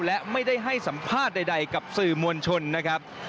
และไม่ได้ให้สัมภาษณ์ใดกับสื่อมวลชนนะครับ